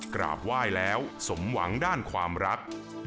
กราบไหว้แล้วสมหวังด้านความรัก